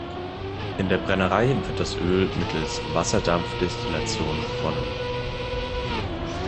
In der Brennerei wird das Öl mittels Wasserdampfdestillation gewonnen.